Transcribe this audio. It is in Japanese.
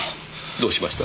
どうしました？